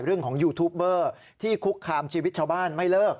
ยูทูปเบอร์ที่คุกคามชีวิตชาวบ้านไม่เลิก